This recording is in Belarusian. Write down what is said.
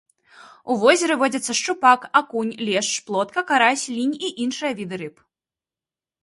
У возеры водзяцца шчупак, акунь, лешч, плотка, карась, лінь і іншыя віды рыб.